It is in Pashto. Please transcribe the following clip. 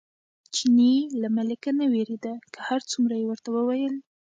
چیني له ملکه نه وېرېده، که هر څومره یې ورته وویل.